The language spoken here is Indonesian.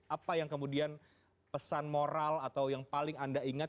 apa yang kemudian pesan moral atau yang paling anda ingat